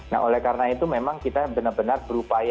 nah oleh karena itu memang kita benar benar berupaya